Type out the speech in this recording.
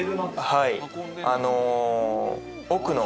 はい。